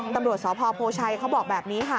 ตำรวจสพโพชัยเขาบอกแบบนี้ค่ะ